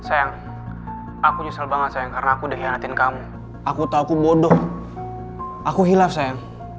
apa sayang aku nyesel banget sayang karena aku dihianatin kamu aku tahu aku bodoh aku hilang sayang